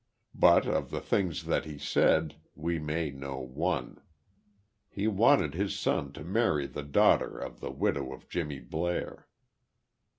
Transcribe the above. But of the things that he said, we may know one. He wanted his son to marry the daughter of the widow of Jimmy Blair.